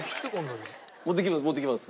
持ってきます